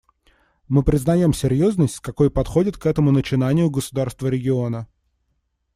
Мы признаем серьезность, с какой подходят к этому начинанию государства региона.